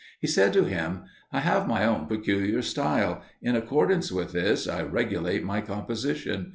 He said to him, "I have my own peculiar style; in accordance with this, I regulate my composition.